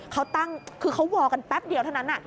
เขาตั้งคือเขาวอลกันแป๊บเดียวเท่านั้น